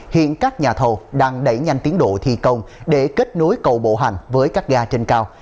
hiện các nhà thầu đang đẩy nhanh tiến độ thi công để kết nối cầu bộ hành với các ga trên cao